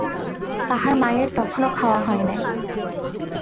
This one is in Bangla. তাহার মায়ের তখনও খাওয়া হয় নাই।